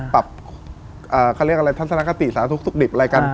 ปรับเขาเรียกอะไรทัศนคติสาธุสุขดิบอะไรกัน